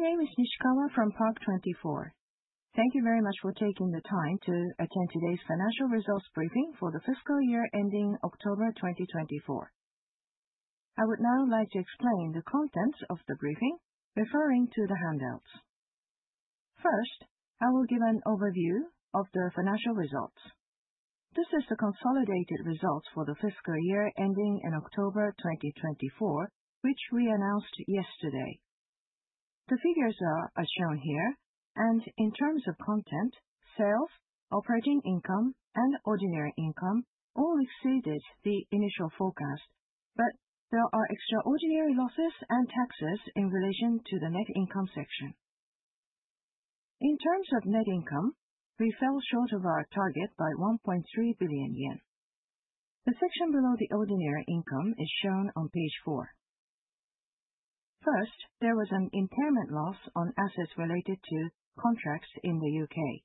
My name is Nishikawa from PARK24. Thank you very much for taking the time to attend today's financial results briefing for the fiscal year ending October 2024. I would now like to explain the contents of the briefing, referring to the handouts. First, I will give an overview of the financial results. This is the consolidated results for the fiscal year ending in October 2024, which we announced yesterday. The figures are as shown here and in terms of content, sales, operating income, and ordinary income all exceeded the initial forecast. There are extraordinary losses and taxes in relation to the net income section. In terms of net income, we fell short of our target by 1.3 billion yen. The section below the ordinary income is shown on page four. First, there was an impairment loss on assets related to contracts in the U.K.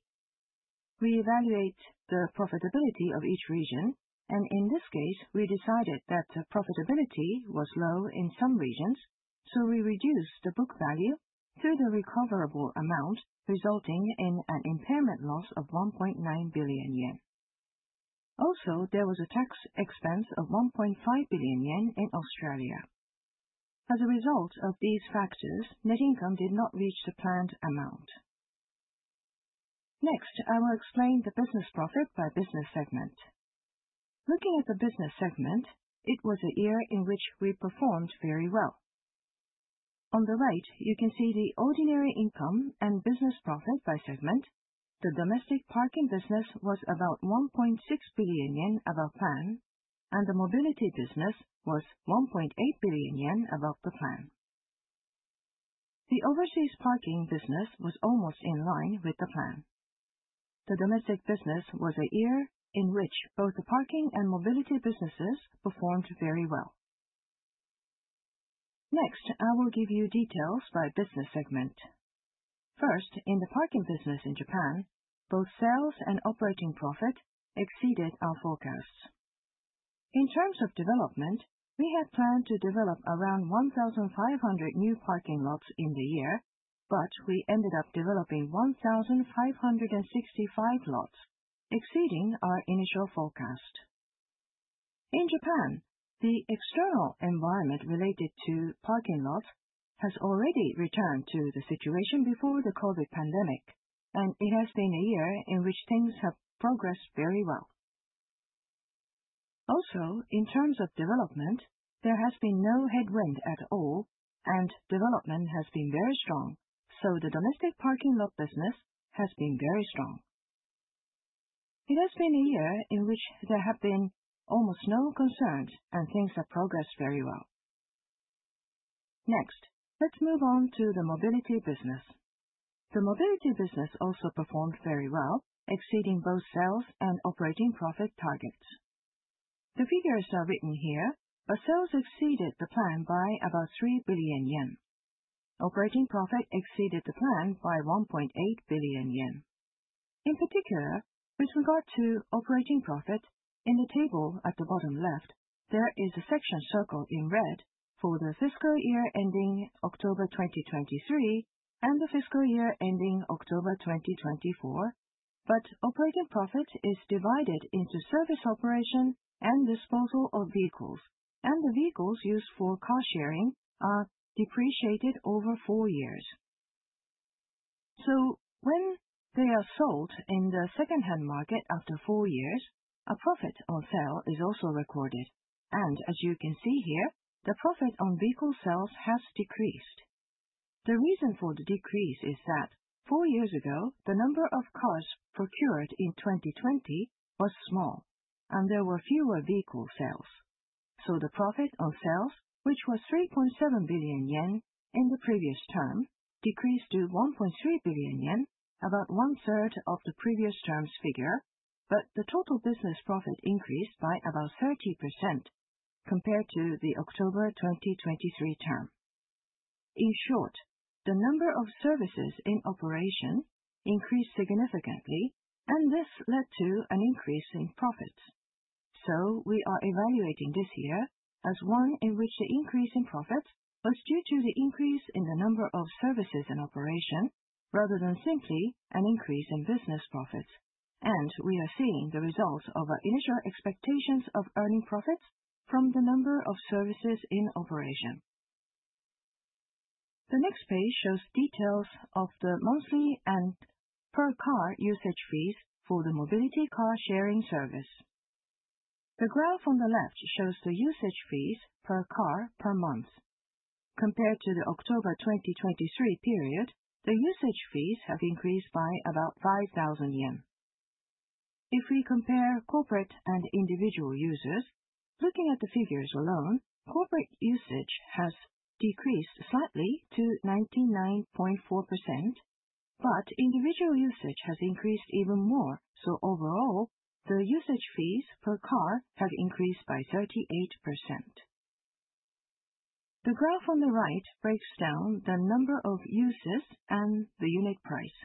We evaluate the profitability of each region, and in this case, we decided that the profitability was low in some regions, so we reduced the book value to the recoverable amount, resulting in an impairment loss of 1.9 billion yen. There was a tax expense of 1.5 billion yen in Australia. As a result of these factors, net income did not reach the planned amount. I will explain the business profit by business segment. Looking at the business segment, it was a year in which we performed very well. On the right, you can see the ordinary income and business profit by segment. The domestic parking business was about 1.6 billion yen above plan, and the mobility business was 1.8 billion yen above the plan. The overseas parking business was almost in line with the plan. The domestic business was a year in which both the parking and mobility businesses performed very well. Next, I will give you details by business segment. First, in the parking business in Japan, both sales and operating profit exceeded our forecasts. In terms of development, we had planned to develop around 1,500 new parking lots in the year, but we ended up developing 1,565 lots, exceeding our initial forecast. In Japan, the external environment related to parking lots has already returned to the situation before the COVID pandemic, and it has been a year in which things have progressed very well. In terms of development, there has been no headwind at all and development has been very strong, so the domestic parking lot business has been very strong. It has been a year in which there have been almost no concerns, and things have progressed very well. Next, let's move on to the mobility business. The mobility business also performed very well, exceeding both sales and operating profit targets. Sales exceeded the plan by about 3 billion yen. Operating profit exceeded the plan by 1.8 billion yen. In particular, with regard to operating profit in the table at the bottom left, there is a section circled in red for the fiscal year ending October 2023 and the fiscal year ending October 2024. Operating profit is divided into service operation and disposal of vehicles, and the vehicles used for car sharing are depreciated over four years. When they are sold in the secondhand market after 4 years, a profit on sale is also recorded. As you can see here, the profit on vehicle sales has decreased. The reason for the decrease is that four years ago, the number of cars procured in 2020 was small and there were fewer vehicle sales. The profit on sales, which was 3.7 billion yen in the previous term, decreased to 1.3 billion yen, about one-third of the previous term's figure. The total business profit increased by about 30% compared to the October 2023 term. In short, the number of services in operation increased significantly, and this led to an increase in profits. We are evaluating this year as one in which the increase in profits was due to the increase in the number of services in operation, rather than simply an increase in business profits. We are seeing the results of our initial expectations of earning profits from the number of services in operation. The next page shows details of the monthly and per car usage fees for the mobility car sharing service. The graph on the left shows the usage fees per car per month. Compared to the October 2023 period, the usage fees have increased by about 5,000 yen. If we compare corporate and individual users, looking at the figures alone, corporate usage has decreased slightly to 99.4%, but individual usage has increased even more. Overall, the usage fees per car have increased by 38%. The graph on the right breaks down the number of uses and the unit price.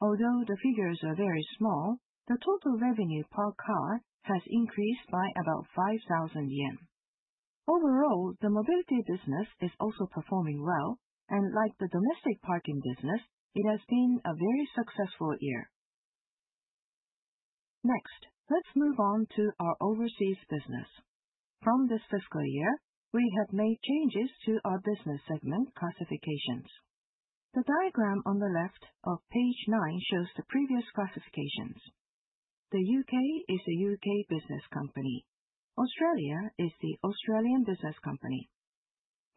Although the figures are very small, the total revenue per car has increased by about 5,000 yen. Overall, the mobility business is also performing well, and like the domestic parking business, it has been a very successful year. Let's move on to our overseas business. From this fiscal year, we have made changes to our business segment classifications. The diagram on the left of page nine shows the previous classifications. The U.K. is a U.K. business company. Australia is the Australian business company.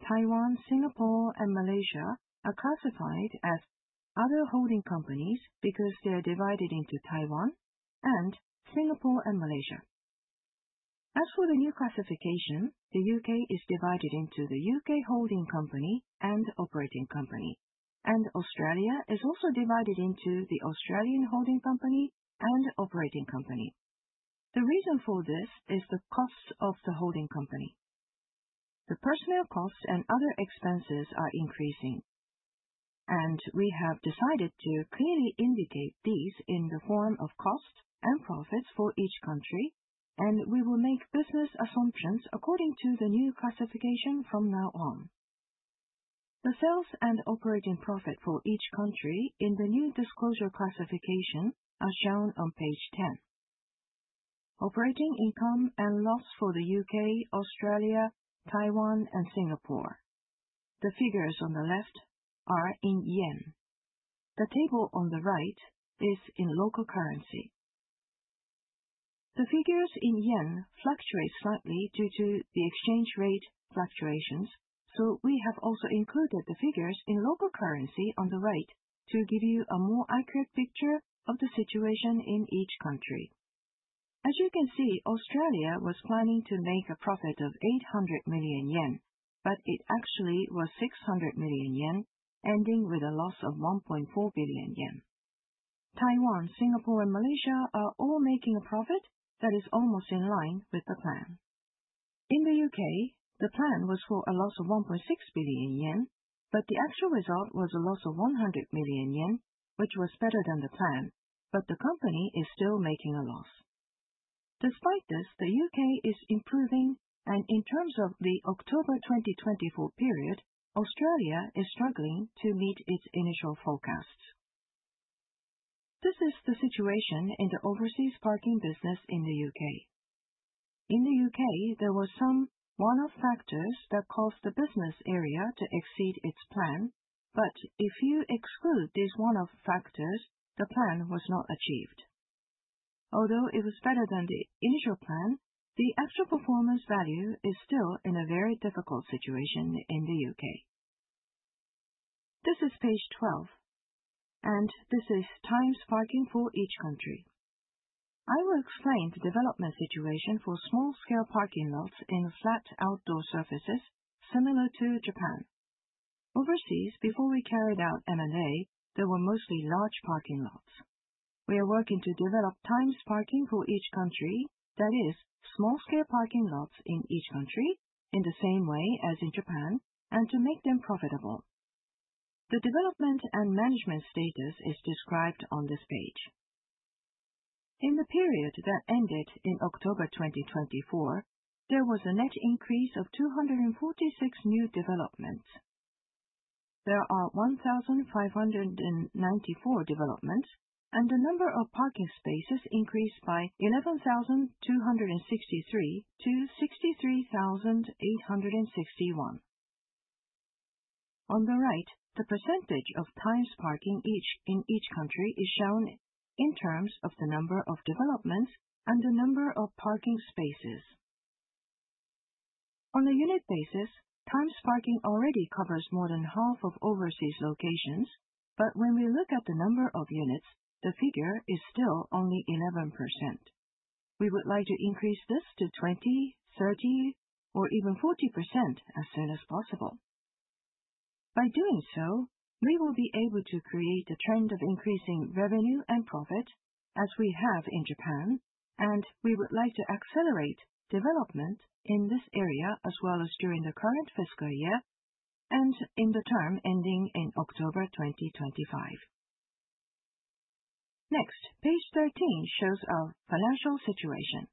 Taiwan, Singapore, and Malaysia are classified as other holding companies because they are divided into Taiwan and Singapore and Malaysia. As for the new classification, the U.K. is divided into the U.K. holding company and operating company, and Australia is also divided into the Australian holding company and operating company. The reason for this is the cost of the holding company. The personnel costs and other expenses are increasing, and we have decided to clearly indicate these in the form of costs and profits for each country, and we will make business assumptions according to the new classification from now on. The sales and operating profit for each country in the new disclosure classification are shown on page 10. Operating income and loss for the U.K., Australia, Taiwan, and Singapore. The figures on the left are in yen. The table on the right is in local currency. The figures in yen fluctuate slightly due to the exchange rate fluctuations. We have also included the figures in local currency on the right to give you a more accurate picture of the situation in each country. As you can see, Australia was planning to make a profit of 800 million yen, but it actually was 600 million yen, ending with a loss of 1.4 billion yen. Taiwan, Singapore, and Malaysia are all making a profit that is almost in line with the plan. In the U.K., the plan was for a loss of 1.6 billion yen, but the actual result was a loss of 100 million yen, which was better than the plan, but the company is still making a loss. Despite this, the U.K. is improving, and in terms of the October 2024 period, Australia is struggling to meet its initial forecasts. This is the situation in the overseas parking business in the U.K. In the U.K., there were some one-off factors that caused the business area to exceed its plan. If you exclude these one-off factors, the plan was not achieved. Although it was better than the initial plan, the actual performance value is still in a very difficult situation in the U.K. This is page 12. This is Times Parking for each country. I will explain the development situation for small-scale parking lots in flat outdoor surfaces similar to Japan. Overseas, before we carried out M&A, there were mostly large parking lots. We are working to develop Times Parking for each country, that is, small-scale parking lots in each country in the same way as in Japan, and to make them profitable. The development and management status is described on this page. In the period that ended in October 2024, there was a net increase of 246 new developments. There are 1,594 developments, and the number of parking spaces increased by 11,263 to 63,861. On the right, the percentage of Times Parking in each country is shown in terms of the number of developments and the number of parking spaces. On a unit basis, Times Parking already covers more than half of overseas locations. When we look at the number of units, the figure is still only 11%. We would like to increase this to 20%, 30%, or even 40% as soon as possible. By doing so, we will be able to create a trend of increasing revenue and profit as we have in Japan, and we would like to accelerate development in this area as well as during the current fiscal year and in the term ending in October 2025. Page 13 shows our financial situation.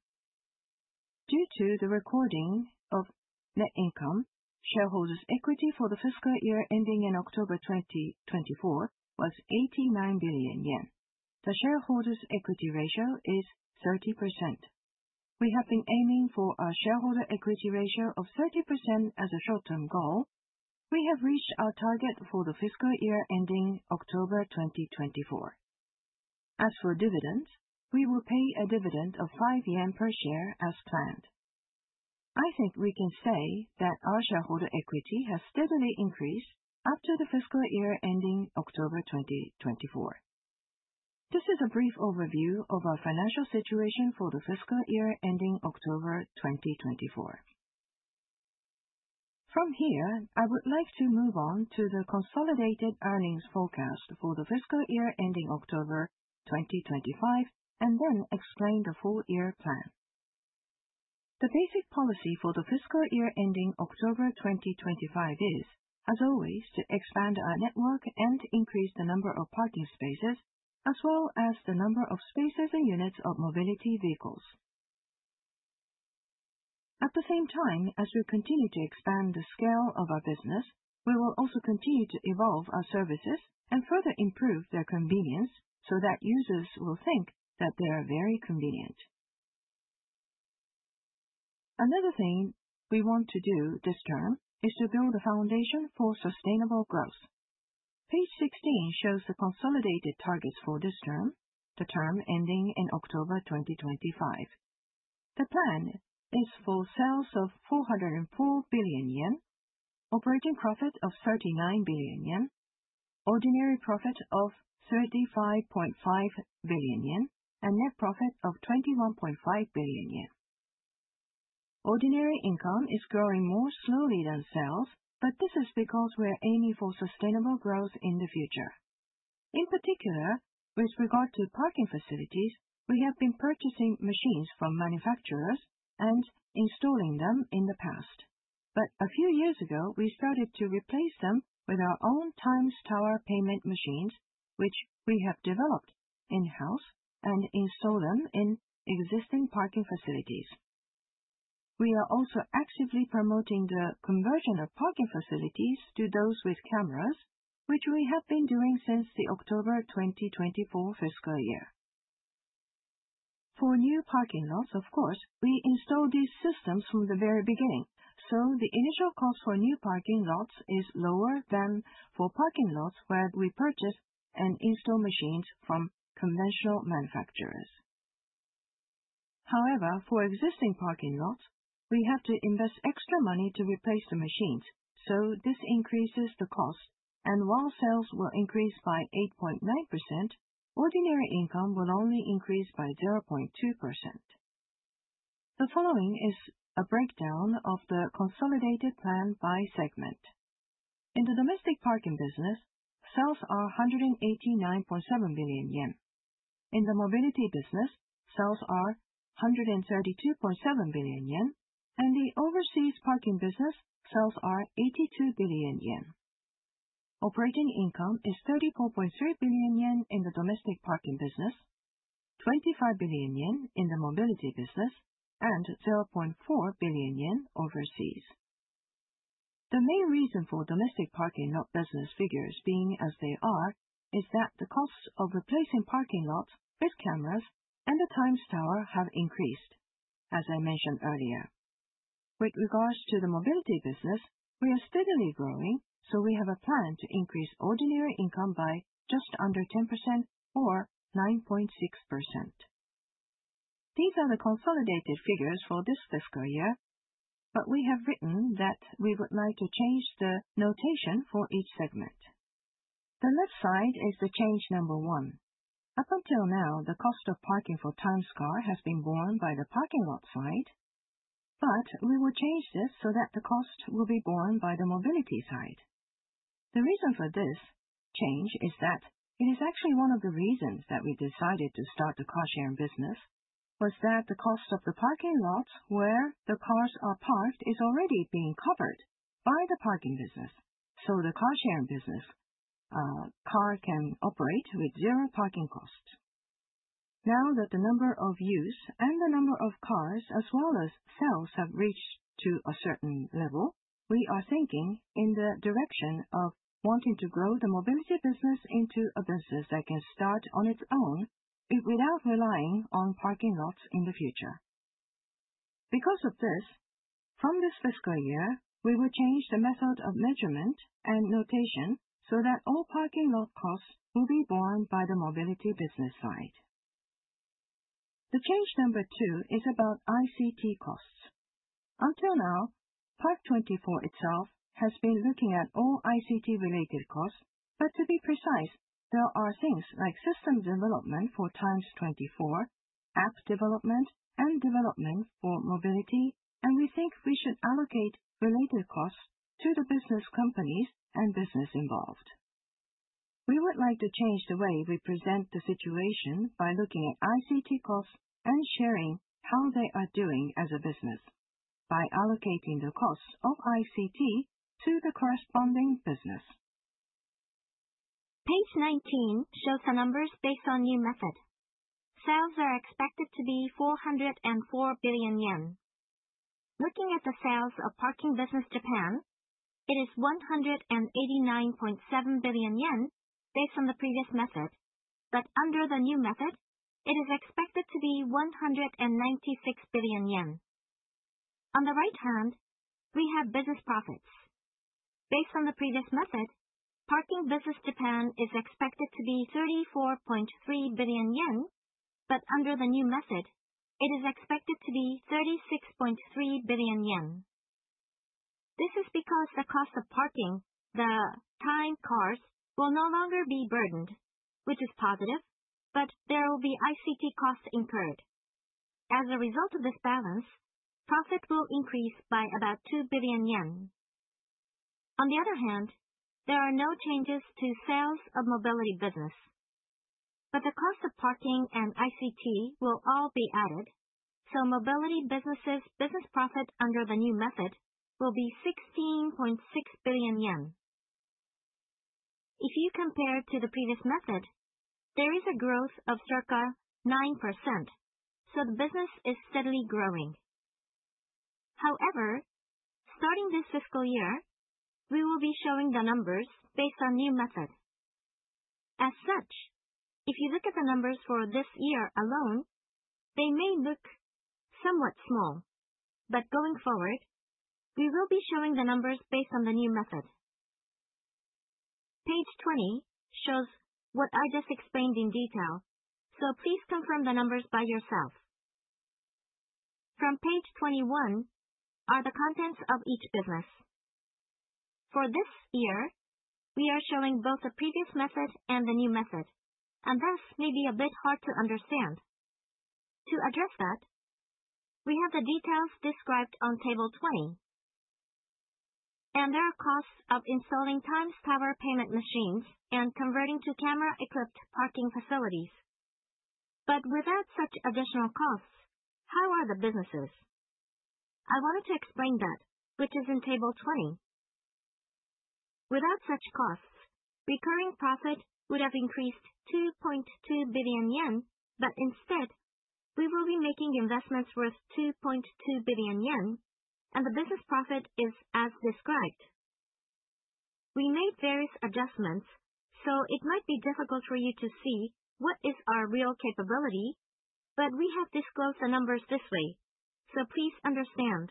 Due to the recording of net income, shareholders' equity for the fiscal year ending in October 2024 was 89 billion yen. The shareholders' equity ratio is 30%. We have been aiming for a shareholder equity ratio of 30% as a short-term goal. We have reached our target for the fiscal year ending October 2024. As for dividends, we will pay a dividend of 5 yen per share as planned. I think we can say that our shareholder equity has steadily increased up to the fiscal year ending October 2024. This is a brief overview of our financial situation for the fiscal year ending October 2024. From here, I would like to move on to the consolidated earnings forecast for the fiscal year ending October 2025 and then explain the full-year plan. The basic policy for the fiscal year ending October 2025 is, as always, to expand our network and increase the number of parking spaces as well as the number of spaces and units of mobility vehicles. At the same time, as we continue to expand the scale of our business, we will also continue to evolve our services and further improve their convenience so that users will think that they are very convenient. Another thing we want to do this term is to build a foundation for sustainable growth. Page 16 shows the consolidated targets for this term, the term ending in October 2025. The plan is for sales of 404 billion yen, operating profit of 39 billion yen, ordinary profit of 35.5 billion yen, and net profit of 21.5 billion yen. Ordinary income is growing more slowly than sales. This is because we are aiming for sustainable growth in the future. In particular, with regard to parking facilities, we have been purchasing machines from manufacturers and installing them in the past. A few years ago, we started to replace them with our own Times Tower payment machines, which we have developed in-house, and install them in existing parking facilities. We are also actively promoting the conversion of parking facilities to those with cameras, which we have been doing since the October 2024 fiscal year. For new parking lots, of course, we install these systems from the very beginning, so the initial cost for new parking lots is lower than for parking lots where we purchase and install machines from conventional manufacturers. However, for existing parking lots, we have to invest extra money to replace the machines, so this increases the cost, and while sales will increase by 8.9%, ordinary income will only increase by 0.2%. The following is a breakdown of the consolidated plan by segment. In the domestic parking business, sales are 189.7 billion yen. In the mobility business, sales are 132.7 billion yen, and the overseas parking business sales are 82 billion yen. Operating income is 34.3 billion yen in the domestic parking business, 25 billion yen in the mobility business, and 0.4 billion yen overseas. The main reason for domestic parking business figures being as they are is that the costs of replacing parking lots with cameras and the Times Tower have increased, as I mentioned earlier. With regards to the mobility business, we are steadily growing, so we have a plan to increase ordinary income by just under 10% or 9.6%. These are the consolidated figures for this fiscal year, but we have written that we would like to change the notation for each segment. The left side is the change number one. Up until now, the cost of parking for Times CAR has been borne by the parking lot side, but we will change this so that the cost will be borne by the mobility side. The reason for this change is that it is actually one of the reasons that we decided to start the car sharing business was that the cost of the parking lot where the cars are parked is already being covered by the parking business. The car sharing business, car can operate with zero parking cost. Now that the number of use and the number of cars as well as sales have reached to a certain level, we are thinking in the direction of wanting to grow the mobility business into a business that can start on its own without relying on parking lots in the future. Because of this, from this fiscal year, we will change the method of measurement and notation so that all parking lot costs will be borne by the mobility business side. Change number two is about ICT costs. Until now, PARK24 itself has been looking at all ICT related costs, but to be precise, there are things like system development for TIMES24, app development, and development for mobility, and we think we should allocate related costs to the business companies and business involved. We would like to change the way we present the situation by looking at ICT costs and sharing how they are doing as a business by allocating the costs of ICT to the corresponding business. Page 19 shows the numbers based on new method. Sales are expected to be 404 billion yen. Looking at the sales of parking business Japan, it is 189.7 billion yen based on the previous method. Under the new method, it is expected to be 196 billion yen. On the right hand, we have business profits. Based on the previous method, Parking Business Japan is expected to be 34.3 billion yen, but under the new method, it is expected to be 36.3 billion yen. This is because the cost of parking the Times CAR will no longer be burdened, which is positive, but there will be ICT costs incurred. As a result of this balance, profit will increase by about 2 billion yen. On the other hand, there are no changes to sales of mobility business. The cost of parking and ICT will all be added, so mobility business' business profit under the new method will be 16.6 billion yen. If you compare to the previous method, there is a growth of circa 9%, so the business is steadily growing. However, starting this fiscal year, we will be showing the numbers based on new method. As such, if you look at the numbers for this year alone, they may look somewhat small, but going forward, we will be showing the numbers based on the new method. Page 20 shows what I just explained in detail, so please confirm the numbers by yourself. From page 21 are the contents of each business. For this year, we are showing both the previous method and the new method, and thus may be a bit hard to understand. To address that, we have the details described on table 20. There are costs of installing Times Tower payment machines and converting to camera-equipped parking facilities. Without such additional costs, how are the businesses? I wanted to explain that, which is in table 20. Without such costs, recurring profit would have increased 2.2 billion yen, but instead, we will be making investments worth 2.2 billion yen and the business profit is as described. We made various adjustments, so it might be difficult for you to see what is our real capability, but we have disclosed the numbers this way, so please understand.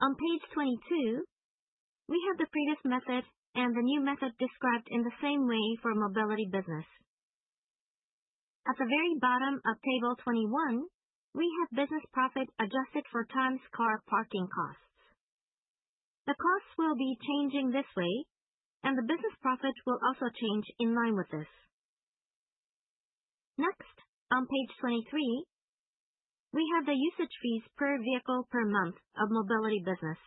On page 22, we have the previous method and the new method described in the same way for mobility business. At the very bottom of table 21, we have business profit adjusted for Times CAR parking costs. The costs will be changing this way and the business profit will also change in line with this. Next, on page 23, we have the usage fees per vehicle per month of mobility business.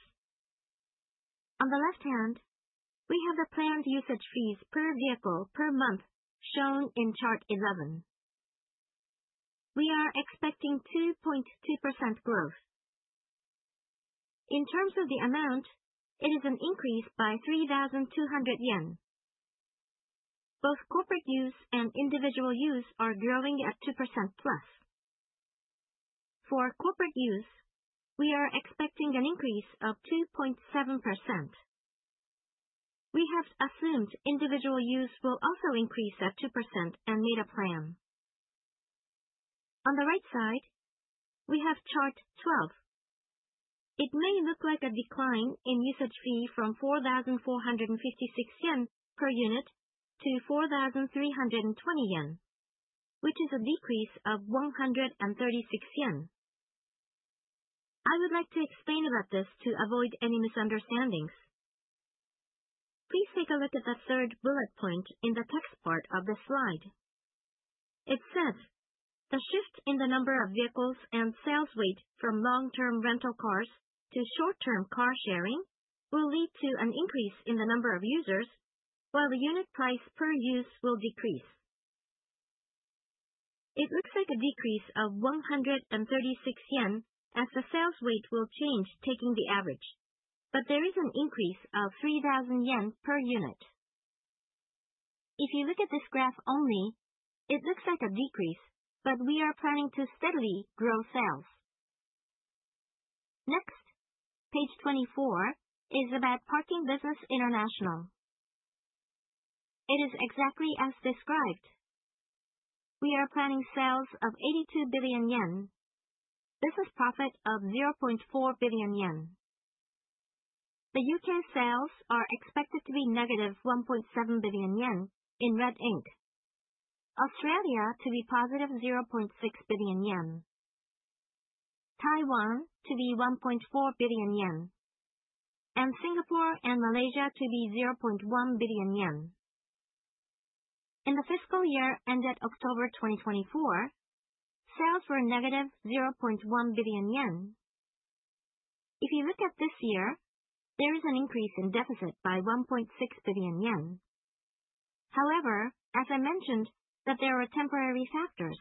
On the left hand, we have the planned usage fees per vehicle per month shown in chart 11. We are expecting 2.2% growth. In terms of the amount, it is an increase by 3,200 yen. Both corporate use and individual use are growing at 2%+. For corporate use, we are expecting an increase of 2.7%. We have assumed individual use will also increase at 2% and made a plan. On the right side, we have chart 12. It may look like a decline in usage fee from 4,456 yen per unit to 4,320 yen, which is a decrease of 136 yen. I would like to explain about this to avoid any misunderstandings. Please take a look at the third bullet point in the text part of the slide. It says, "The shift in the number of vehicles and sales weight from long-term rental cars to short-term car sharing will lead to an increase in the number of users, while the unit price per use will decrease." It looks like a decrease of 136 yen as the sales weight will change taking the average, there is an increase of 3,000 yen per unit. If you look at this graph only, it looks like a decrease, but we are planning to steadily grow sales. Page 24 is about Parking Business International. It is exactly as described. We are planning sales of 82 billion yen. Business profit of 0.4 billion yen. The U.K. sales are expected to be -1.7 billion yen in red ink, Australia to be +0.6 billion yen, Taiwan to be 1.4 billion yen, and Singapore and Malaysia to be 0.1 billion yen. In the fiscal year ended October 2024, sales were -0.1 billion yen. If you look at this year, there is an increase in deficit by 1.6 billion yen. As I mentioned that there were temporary factors.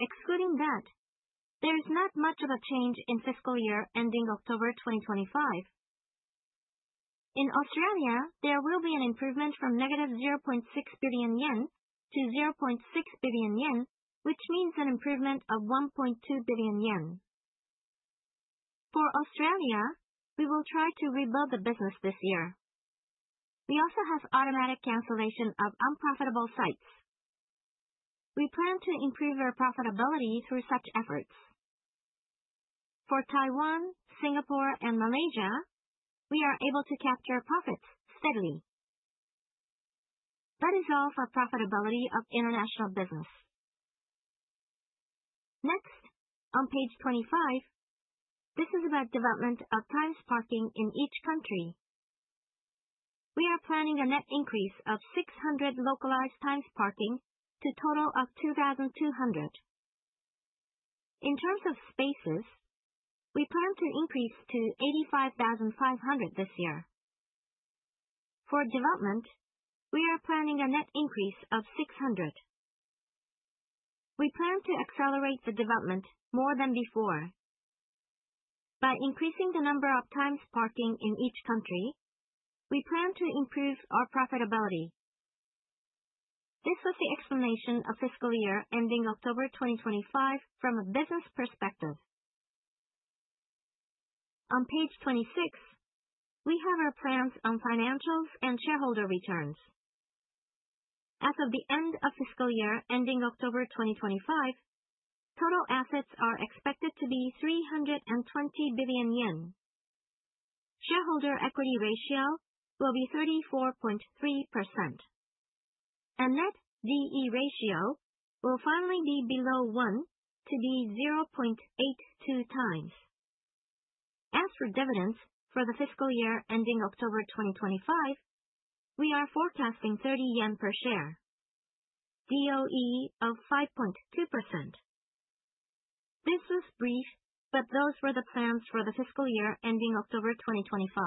Excluding that, there is not much of a change in fiscal year ending October 2025. In Australia, there will be an improvement from -0.6 billion yen to 0.6 billion yen, which means an improvement of 1.2 billion yen. For Australia, we will try to rebuild the business this year. We also have automatic cancellation of unprofitable sites. We plan to improve our profitability through such efforts. For Taiwan, Singapore and Malaysia, we are able to capture profits steadily. That is all for profitability of International Business. On page 25, this is about development of Times Parking in each country. We are planning a net increase of 600 localized Times Parking to total of 2,200. In terms of spaces, we plan to increase to 85,500 this year. For development, we are planning a net increase of 600. We plan to accelerate the development more than before. By increasing the number of Times Parking in each country, we plan to improve our profitability. This was the explanation of fiscal year ending October 2025 from a business perspective. On page 26, we have our plans on financials and shareholder returns. As of the end of fiscal year ending October 2025, total assets are expected to be 320 billion yen. Shareholder equity ratio will be 34.3%, and net D/E ratio will finally be below 1 to be 0.82x. As for dividends for the fiscal year ending October 2025, we are forecasting 30 yen per share. DOE of 5.2%. This was brief, but those were the plans for the fiscal year ending October 2025.